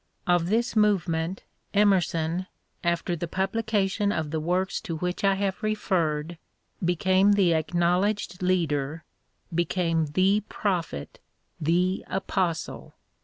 * Of this move ment Emerson, after the publication of the works to which I have referred, became the acknow ledged leader, became the prophet, the apostle.